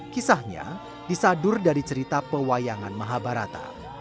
kisahnya disadur dari cerita pewayangan mahabharata